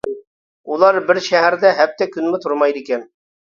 ئۇلار بىر شەھەردە ھەپتە كۈنمۇ تۇرمايدىكەن.